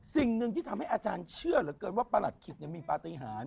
สิ่งหนึ่งที่ทำให้อาจารย์เชื่อเหลือเกินว่าประหลัดขิกมีปฏิหาร